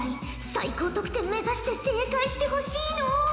最高得点目指して正解してほしいのう！